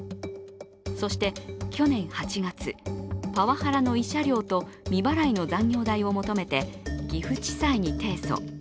そして去年８月、パワハラの慰謝料と未払いの残業代を求めて岐阜地裁に提訴。